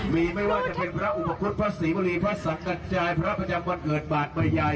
มีไม่ว่าจะเป็นพระอุปกรุษพระศรีบุรีพระศักดาชายพระพระจำบรรเกิดบาดบะยัย